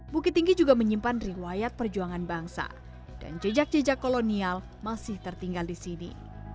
bukit tinggi juga menyimpan riwayat perjuangan bangsa dan jejak jejak kolonial masih tertinggal di sini